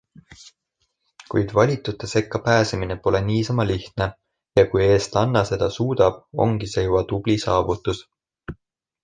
Kuid valitute sekka pääsemine pole niisama lihtne ja kui eestlanna seda suudab, ongi see juba tubli saavutus.